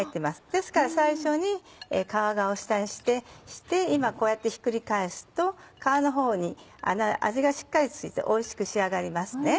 ですから最初に皮側を下にして今こうやってひっくり返すと皮の方に味がしっかり付いておいしく仕上がりますね。